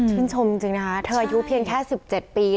ชมจริงนะคะเธออายุเพียงแค่๑๗ปี